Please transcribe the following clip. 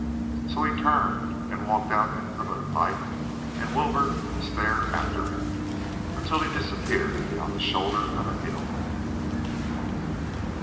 So he turned and walked out into the moonlight and Wilbur stared after him until he disappeared beyond the shoulder of a hill.